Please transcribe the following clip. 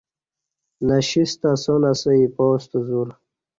نہ شی ستہ اسان اسہ اِپاستہ زور